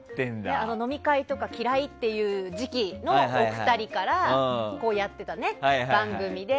飲み会とか嫌いっていう時期のお二人からやってた番組で。